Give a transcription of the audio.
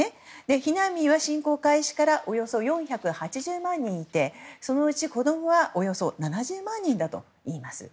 避難民は侵攻開始からおよそ４８０万人いてそのうち子供はおよそ７０万人だといいます。